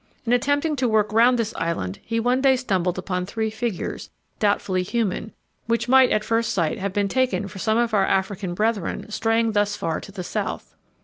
In attempting to work round this island, he one day stumbled upon three figures, doubtfully human, which might at first sight have been taken for some of our African brethren straying thus far to the south.